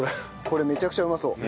これめちゃくちゃうまそう。